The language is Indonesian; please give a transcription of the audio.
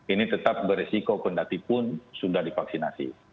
ini tetap berisiko kondaktif pun sudah divaksinasi